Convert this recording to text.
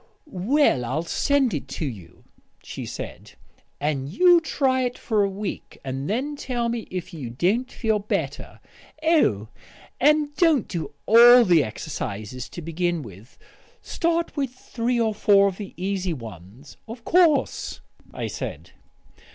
"Well, I'll send it to you," she said. "And you try it for a week, and then tell me if you don't feel better. Oh, and don't do all the exercises to begin with; start with three or four of the easy ones." "Of course," I said.